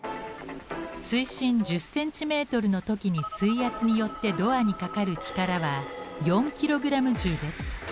水深１０ｃｍの時に水圧によってドアにかかる力は４ｋｇ重です。